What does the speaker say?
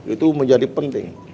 itu menjadi penting